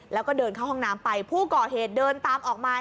แล้วก็เดินเข้าห้องน้ำไปผู้ก่อเหตุเดินตามออกมา